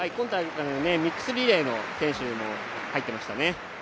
今回、ミックスリレーの選手にも入っていましたね。